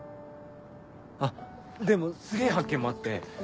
あっでもすげぇ発見もあって。